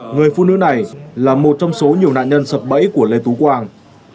người phụ nữ này là một trong số nhiều nạn nhân sập bẫy của lê tú quang